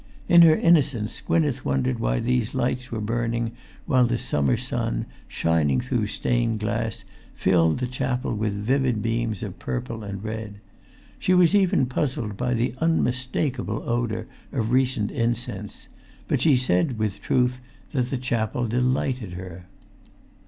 In her innocence Gwynneth wondered why these lights were burning while the summer sun, shining through the stained glass, filled the chapel with vivid beams of purple and red. She was even puzzled by the unmistakable odour of recent incense; but she said, with truth, that the chapel delighted her.